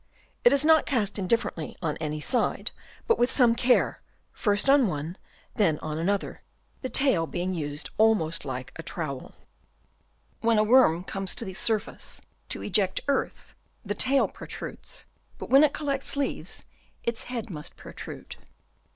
It is not cast indifferently on any side, but with some care, first on one and then on another side ; the tail being used almost like a trowel. Chap. II. EJECTION OF THEIR CASTINGS. 119 When a worm comes to the surface to eject earth, the tail protrudes, but when it collects leaves its head must protrude.